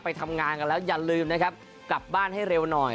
ไปทำงานกันแล้วอย่าลืมนะครับกลับบ้านให้เร็วหน่อย